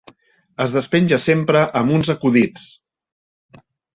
Es despenja sempre amb uns acudits!